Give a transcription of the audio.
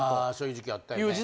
あそういう時期あったよね。